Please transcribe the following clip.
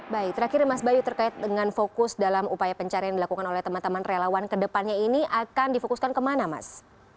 baik terakhir mas bayu terkait dengan fokus dalam upaya pencarian dilakukan oleh teman teman relawan kedepannya ini akan difokuskan kemana mas